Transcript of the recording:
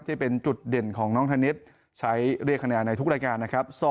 ที่เป็นจุดเด่นของน้องธนิษฐ์ใช้เรียกคะแนนในทุกรายการนะครับ